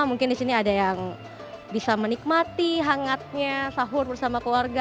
mungkin di sini ada yang bisa menikmati hangatnya sahur bersama keluarga